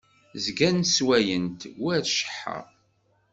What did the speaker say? Zgan sswayen-t war cceḥḥa.